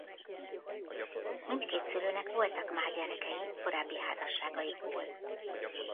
Mindkét szülőnek voltak már gyerekei korábbi házasságaikból.